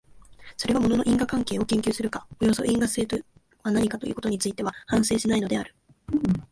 それは物の因果関係を研究するか、およそ因果性とは何かということについては反省しないのである。